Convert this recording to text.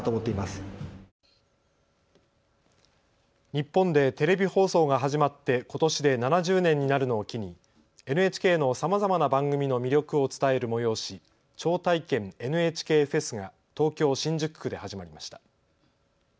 日本でテレビ放送が始まってことしで７０年になるのを機にＮＨＫのさまざまな番組の魅力を伝える催し、超体験ＮＨＫフェスが東京新宿区で始まりました。